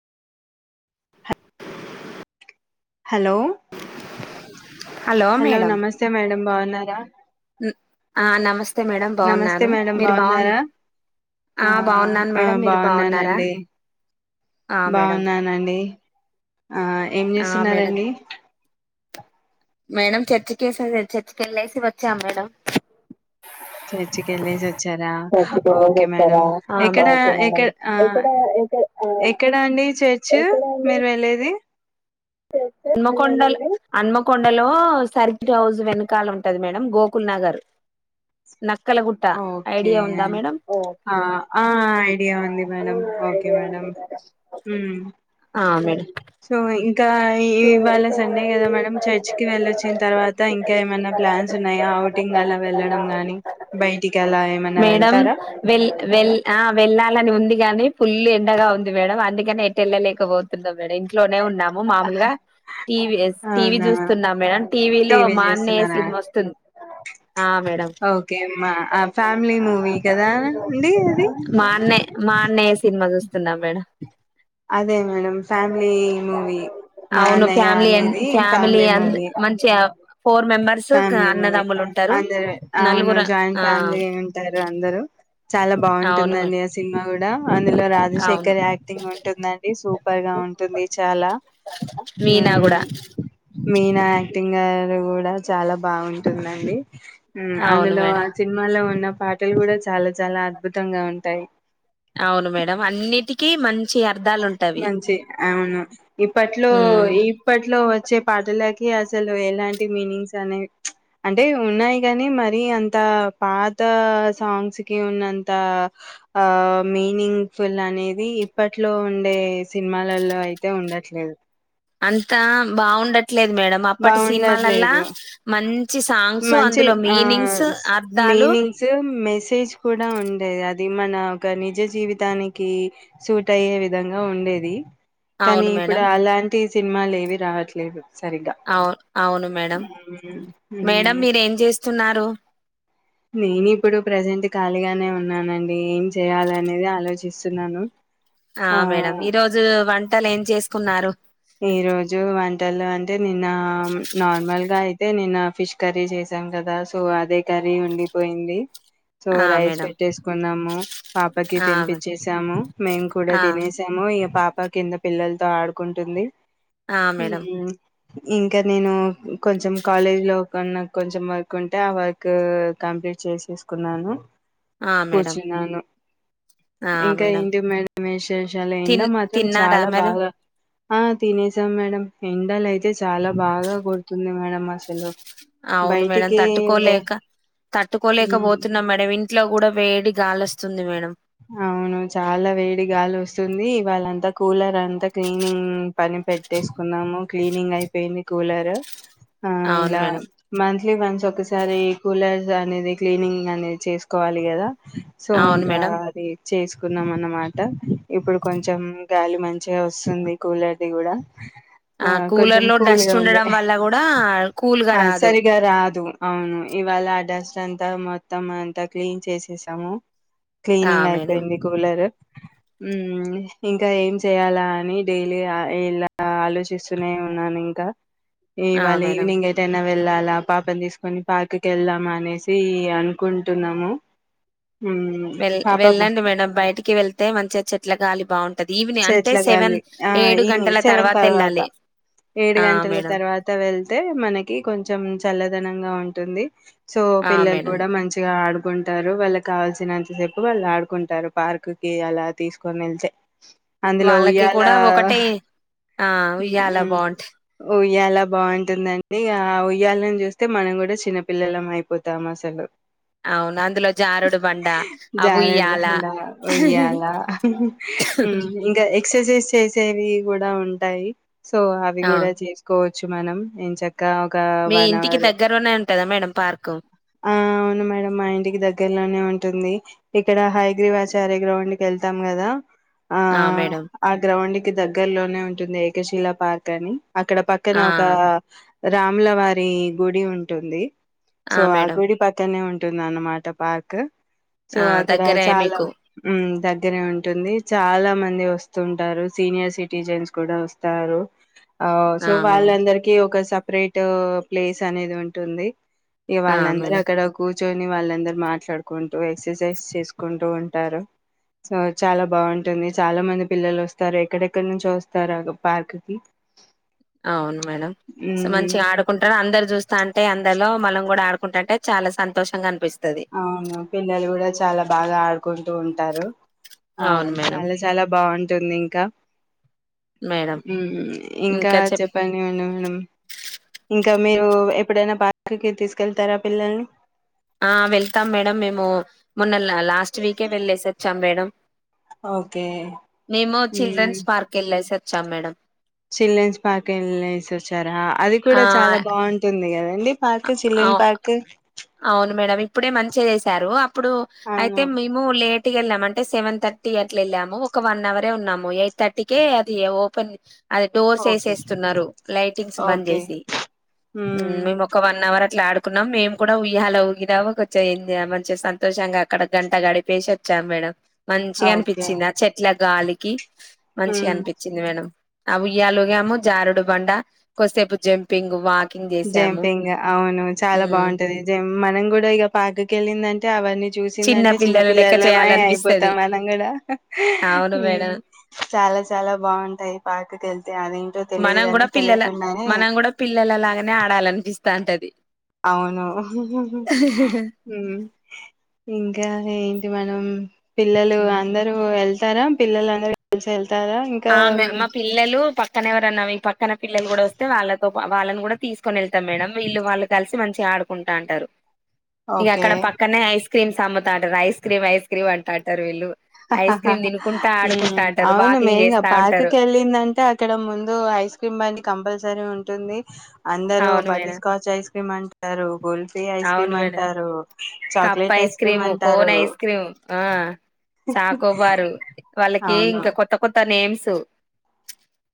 Hello hello నమస్తే madam బాగున్నారా ఆ నమస్తే మేడం నమస్తే బాగున్నాను మేడం మీరు బాగు బాగున్నారా ఆ బాగున్నాను మేడం మీరు బాగున్నారా బాగున్నానండి ఆ మేడం బాగున్నానండి ఆ ఏం ఆ మేడం చేస్తున్నారంండి మేడం చర్చికిే చర్చికి వెళ్ళేసి వచ్చాం మేడం చర్చికి వెళ్ళేసి వచ్చారా చర్చికి వెళ్ళేసి ఓకే మేడం వచ్చారా ఎక్కడ ఓకే ఎక్క మేడం ఎక్కడ ఎక్కడ ఆ ఎక్కడా అండి చర్చి మీరు వెళ్ళేది న్మకొండ హన్మకొండలో సర్కిట్ హౌజ్ వెనకాల ఉంటది madam Gokulnagar Nakkala Gutta okay idea ఉందా మేడం ఆ ఒకే ఆ ఐడియా ఆ ఉంది మేడం ఓకే ఐడియా మేడం ఉంది మేడమ్ ఉమ్ ఆ మేడమ్ సో ఇ ఇంకా ఇవాళ ఇంకా సండే కదా ఏ మేడం కాలేజ్ చర్చ్ కి అదే వెళ్ళొచ్చిన మనం తర్వాత చర్చికి ఇంకా వెళ్ళిన ఏమైనా తర్వాత ప్లాన్స్ ఇంకా ఉన్నాయా ఏమన్నా అవుటింగ్ అలా క్లాసులు వెళ్ళడం గానీ అవుతాయి. బయటికి అలా ఏమైనా మేడం వెళ్తారా కాని ఫుల్ ఎండగా ఉంది మేడం అందుకని ఎట్ వెళ్ళలేకపోతుందో మేడడం ఇంట్లో ఉన్నాము మా టీవీ అవునా చూస్తున్న మేడమ్ టీవీ లో మా అన్నయ్య సినిమా వస్తుంది మడమ ఆ మేడమ్ ఓకే మా ఆ ఫ్యామిలీ మూవీ కదా అండి అది మా అన్నయ్య సినిమా చూస్ న్నా మేడం అదే మేడం ఫ్యామిలీ మూవి అవును ఫ్యామిలీ ఫ్యామిలీ అ మూవీ మంచిగా ఆ ఫ్యామిలీ మూవీ అందరు అవును నలుగుర జాయింట్ ఆ ఫ్యామిలీ ఉంటారు అందరుూ చాలా అవును మే బాగుంటుందండి ఆ సినిమా కూడా, అందులో అవును రాజశేఖర్ యాక్టింగ్. ఉంటుందండి సూ. సూపర్ గా ఉంటుంది చాలా, మీనా కూడా, మ్మ్ మీనా యాక్టింగ్ గారు కూడా, చాలా బాగుంటుందండి, అవును అందులో మేడం సినిమాల ఉన్న, పాటలు కూడా. చాలా చాలా అద్భుతంగా ఉంటాయి, చెయర్ [unintelligible] మంచి అవును ఇప్పట్లో ఉమ్ ఇప్పట్లో వచ్చే పాటలకి, అసలు ఎలాంటి మీనింగ్స్ అనే. అంటే ఉన్నాయి కానీ మరి అంత. పాత సాంగ్స్ కి ఉన్నంత ఆ మీనింగ్ ఫుల్ అనేది ఇప్పట్లో ఉ, అంటే సినిమాలలో అయితే ఉండట్లేదు అంతా బాగుండ, లేదు మేడం అప్పటి సినిమాలలా. బావుండట్లేదు. మంచి సాంగ్స్ మంచి అందులో మీనింగ్స్ ఆహ్, స్ అర్థాలు, మీనింగ్స్, ఇది మన ఒక నిజ జీవితానికి. సూట్ అయ్యే విధంగా ఉండేది, కానీ అవును ఇప్పుడు మేడం అలాంటి, సినిమాలు ఏవి రావట్లేదు సరి, అవు అవును మేడం మేడం హ్మ్. మీర ఏం చేస్తున్నారు, నేను ఇప్పుడు ప్రజెంట్. ఖాళీగానే ఉన్నానండి ఏం చేయాలి అనేది ఆలోచిస్తున్నాను, ఆ మేడం ఈ రోజు వంటలు ఏం చేసుకున్నారు, ఈ రోజు వంటలు అంటే నిన్న నార్మల్ గా అయితే, అయితే నేను ఫిష్ కర్రీ చేసాను కదా సో అదే కర్రీ, అది ఉండిపోయింది, సో ఆ రైస్ మేడం పెట్టేసుకున్నాము. పాపకి ఆ మేడం తినిపచ్చేసాము మేము కూడా. ఆ తినేసాము ఇక పాప, పాప కింద పిల్లలతో ఆడుకుంటుంది, ఆ హు మేడం ఇంకా నేను కొంచెం. కాలేజ్ లో కన్నా కొంచెం వర్క్ ఉంటే ఆ వర్క్, కా కంప్లీట్ చేసేసుకున్నాను, ఆ మేడం కూర్చున్నాను, ఆ ఇంకా మేడం ఏంటి మేడం. విశేషాలు ఎండా తిన్ మాత్రం తిన్నారా చాలా మేడం బాగా, ఆ తినేసాం మేడం. ఎండలు అయితే చాలా బాగా. కుడుతుంది మేడం అసలు, అవును మేడం బయటికి వె తట్టుకోలేక, హ్మ్. తట్టుకోలేకపోతున్న మెడ, ఇంట్లో కూడా వేడి గాలి వస్తుంది మేడం అవును చాలా వేడి గాలి వస్తుంది వాళ్ళంతా కూలర్ అంత క్లీనింగ్ పని పెట్టేసుకున్నాము క్లీనింగ్ అయిపోయింది కూలరు ఆ అవును ఇలా మేడం మంచి లీ వన్స్ ఒకసారి కూలర్స్ అనేది క్లీనింగ్ అనేది చేసుకోవాలి కదా సో అవును ఇంకా మేడం చేసుకున్నాం అనమాట ఇప్పుడు కొంచెం గాలి మంచిగా వస్తుంది కూలర్ది కూడా ఆ కూలర్ కొంచెం లో డస్ట్ కూల్గా ఉంది ఉండడం వల్ల కూడా కూల్గా ఆ రాదు సరిగా రాదు అవును ఇవాళ ఆ డస్ట్ అంతా మొత్తం అంతా క్లీన్ చేసేసాము ఆ క్లీనింగ్ మేడం అయిపోయింది కూలర్ ఉమ్ ఇంకా ఏం చేయాలా అని డైలీ ఇలా ఆలోచిస్తూనే ఉన్నాను ఇంకా ఆ ఇవాళ మేడం ఈవినింగ్ ఏటైనా వెళ్ళాలా పాపం తీసుకొని పార్క్ కీ వెళ్దామా అనేసి అనుకుంటున్నాము మ్మ్ వెల్ పాప వెళ్ళండి మేడం బయటికి వెళ్తే మంచిగా చెట్ల గాలి వస్తుంది బాగుం చెట్లగాలి ఆ ఈవినింగ్ గంటల సెవెన్ తర్వాత వెళ్ళాలి ఏడు ఆ గంటల మేడం తర్వాత వెళ్తే మనకి కొంచెం చల్లదనంగా ఉంటుంది ఉంటుంది సో ఆ! పిల్లలు మేడం. కూడా మంచిగా ఆడుకుంటారు ఆడుకుంటారు వాళ్ళకి కావాల్సినంతసేపు వాళ్ళు ఆడుకుంటారు పార్క్ కి అలా తీసుకొని వెళ్తే అందులో వాళ్ళకి ఉయ్యాల కూడా ఒకటే ఆ ఉయ్యాలా బాగుంటాయి ఇయ్యాల బాగుంటుందండి ఆ ఉయ్యాలని చూస్తే మనం కూడా చిన్నపిిల్లల అయిపోతాం అసలు అవును అందులో జారుడు బండ అ జారుడు ఉయ్యాల బండ ఆహా హహ ఉ ఇంక ఎక్సర్సైజ్ చేసేవి కూడా ఉంటాయి సో అవి ఆ! కూడా చేసుకోవచ్చు చ్చు మనం ఎంచక క ఒక మీ వన్ ఇంటికి అవర్ దగ్గరలోనే ఉంటదా మేడం పార్కు? ఆ అవును మేడం మా ఇంటికి దగ్గరలోనే ఉంట ఉంటుంది ఇక్కడ హైగ్రీవాచారీ గ్రౌండ్కి వెళ్తాం కదా ఆ మేడమ్ దగ్గర్లోనే ఉంటుంది ఏకశిల పార్క్ అని అక్కడ పక్కన ఆ! ఒకా రాముల వారి గుడి ఉంటుంది సో ఆ గుడి పక్కనే ఉం టుందనమాట పార్క్ సో ఆ! అక్కడ దగ్గరే చాలా మీకు. ఉమ్ దగ్గరే ఉంటుంది చాలా మంది వస్తుంటారు సీనియర్ సిటిజన్స్ కూడా వస్తారు ఆవో సో ఆ! మేడం. వాళ్ళందరికీ ఒక సప్ రేట్ ప్లేస్ అనేది ఉంటుంది ఇగ ఆ! వాళ్ళందరూ మేడం. అక్కడ కూర్ ర్చొని వాళ్ళందరు మాట్లాడుకుంటూ ఎక్సర్సైజ్ చేసుకుంటూ ఉంటారు. సో చాలా బాగుం టుంది చాలా మంది పిల్లలు వస్తారు ఎక్కడెక్కడ నుంచో వస్తారు పార్క్ కి అవును మేడం సో మ్మ్ మంచిగా ఆడుకుంటారు అందరు చూస్తాంటే అందలో మనం కూడా ఆడుకుంటంటే చాలా సంతోషంగా అనిపిస్ అవును పిల్లలు కూడా చాలా బాగా ఆడుకుం టూ ఉంటారు ఆ అవును మేడం. చాలా చాలా బాగుంటుంది ఇంకా మేడం. ఇంకా చెప్పండి మేడం ఇంకా మీరు ఎప్పుడైనా పార్క్ కి తీసుకెళ్తారా పిల్లల్ని ఆ వెళ్తాం మేడం మేము మొన్న లాస్ట్ వీకే వెళ్ళేసొచ్ చం మేడం ఓకే మేము మ్మ్ చిల్డ్రన్స్ పార్క్ ఎళ్ళేసొ చాం మేడం చిల్డ్రన్స్ పార్క్ ఎళ్ళేసొచ్చారా అది ఆ కూడా చాలా బాగుంటుంది కదా పార్క్ చిల్డ్రెన్ అవు పార్క్ అవును మేడం ఇప్పుడే మంచిగా చేశారు అప్పుడు అయితే అవును మేము లేట్ ట్గెళ్ళాము అంటే సెవెన్ థర్టీ అట్లా వెళ్ళాము ఒక వన్ అవరే ఉన్నాము ఎయిట్ థర్టీకే అది ఓపెన్ అది డోర్స్ ఓకే ఏసేస్తున్నారు లైటింగ్స్ బంద్ ఓకే చేసి ఉమ్ మ్మ్ మేము ఒక వన్ అవర్ ఇట్లాడుకున్నాం మేము కూడా ఉయ్యాల ఊగినం కొంచెం మంచిగా సంతోషంగా అక్కడ గంట గడిపేసొచ్చాం మేడం ఓకే మంచిగనిపిచ్చింది ఆ చెట్ల గాలికి మ్మ్ మంచిగనిపిచ్చింది మేడం ఆ ఉయ్యాలుగాము జారుడు బండ కొద్సేపు జంపింగ్ వాక్ జంపింగ్ అవును చాలా ఉమ్, బాగుంటది జమ్ మనం కూడా ఇగ పార్క్ వెళ్ళిందంటే అవన్నీ చూసిందంటే చిన్న పిల్లలు లెక్క పిల్లలమే చేయాలనిపిస్తది అయిపోతాం. మనం కూడా అవును ఉమ్ మేడం చాలా చాలా బాగుంటాయి పార్క్ కి వెళ్తే అదెంటో తెలిదు మనం కూడా కాని తెలియకుండానే ఆడాలనిపిస్తాంటది అవును హా హా హా ఉమ్ ఇంకా ఏంటి మనం పిల్లలు ఉమ్. అందరూ వెళ్ తరా పిల్లలంద ఆమె మా పిల్లలు పక్ పక్కన ఎవరన్నా ఈ పక్కన పిల్లలు కూడా వస్తే. వాళ్ళతో వాళ్ళని కూడా తీసుకొని వెళ్తాం. మేడం వీళ్ళు వాళ్ళు కలిసి మంచిగా ఆడుకుంటా అంటారు ఇగ ఓకే అక్కడ పక్కనే ఐస్ క్రీమ్ అమ్మత అంటారు ఐస్ క్రీమ్, ఐస్ క్రీం అంటా అంటారు వీళ్ళు హ హా ఐస్ హా క్రీమ్ హా తినుకుంటా ఉహ్మ్ ఆడుకుంటా అంటారు అవును వాకింగ్ మేన్ గా చేస్తా పార్క్ ఉంటారు కి వెళ్ళిందంటే అక్కడ ముందు ఐస్ క్రీమ్ బండి కంపల్సరీ హా ఉంటుంది అందరు అవును బటర్ మేడం స్కాచ్ ఐస్ క్రీమ్అంటారు, కుల్ఫీ ఐస్ అవును క్రీమ్ మేడం అంటారు, cup chocolate ice cream cream cone అంటారు. ఐస్ క్రీమ్ ఆ చాకోబారు వాళ్ళకి అవును ఇంకా కొత్త కొత్త నేమ్స్